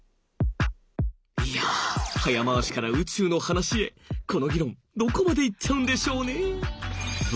いや早回しから宇宙の話へこの議論どこまでいっちゃうんでしょうね。